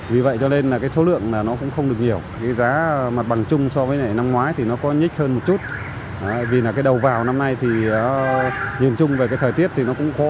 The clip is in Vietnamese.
vì vậy cho nên là cái số lượng là nó cũng không được nhiều